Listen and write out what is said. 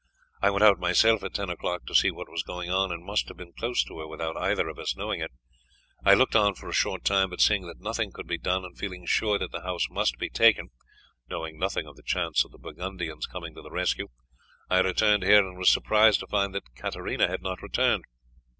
I went out myself at ten o'clock to see what was going on, and must have been close to her without either of us knowing it. I looked on for a short time; but seeing that nothing could be done, and feeling sure that the house must be taken, knowing nothing of the chance of the Burgundians coming to the rescue, I returned here and was surprised to find that Katarina had not returned.